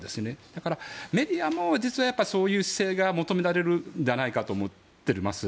だからメディアも実は、そういう姿勢が求められるんじゃないかと思っております。